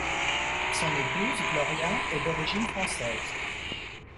Son épouse, Gloria, est d'origine française.